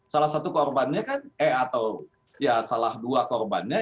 salah satu korbannya kan eh atau salah dua korbannya